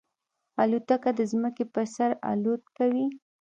الوتکه د ځمکې پر سر الوت کوي.